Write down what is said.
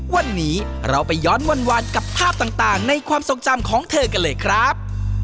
วันนี้เราไปย้อนวันกับภาพต่างในความทรงจำของเธอกันเลยครับ